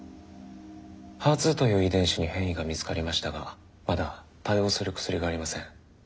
ＨＥＲ２という遺伝子に変異が見つかりましたがまだ対応する薬がありません。